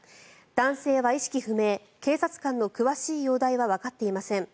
男性は意識不明警察官の詳しい容体はわかっていません。